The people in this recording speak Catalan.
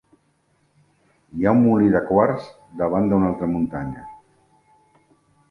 Hi ha un molí de quars davant d'una altra muntanya.